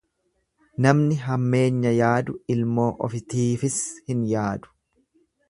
Namni hammeenya yaadu ilmoo ofitiifis hin yaadu.